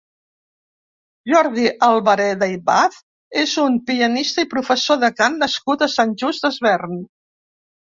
Jordi Albareda i Bach és un pianista i professor de cant nascut a Sant Just Desvern.